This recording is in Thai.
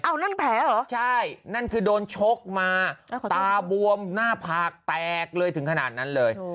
นั่นแผลเหรอใช่นั่นคือโดนชกมาตาบวมหน้าผากแตกเลยถึงขนาดนั้นเลย